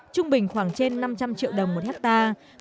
trung bình khoảng trên năm trăm linh triệu đồng một hectare